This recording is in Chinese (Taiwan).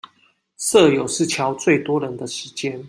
社遊是喬最多人的時間